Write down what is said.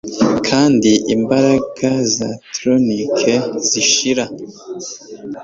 kandi imbaraga za tyrranic zishira